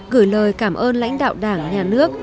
gửi lời cảm ơn lãnh đạo đảng nhà nước